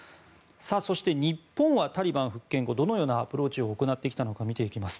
そして、日本はタリバン復権後どのようなアプローチを行ってきたのか見ていきます。